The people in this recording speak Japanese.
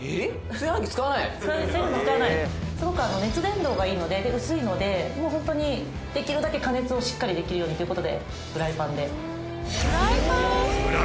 「炊飯器使わない」「すごく熱伝導がいいのでで薄いのでもう本当にできるだけ加熱をしっかりできるようにという事でフライパンで」